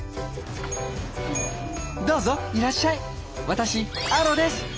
どうぞいらっしゃい私アロです